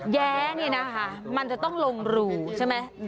แย้นี่นะคะมันจะต้องลงรูใช่ไหม